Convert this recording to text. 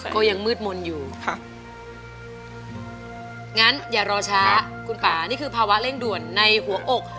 ก็ยังมืดมนต์อยู่ค่ะงั้นอย่ารอช้าคุณป่านี่คือภาวะเร่งด่วนในหัวอก